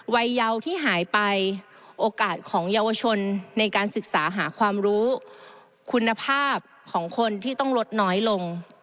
เยาที่หายไปโอกาสของเยาวชนในการศึกษาหาความรู้คุณภาพของคนที่ต้องลดน้อยลง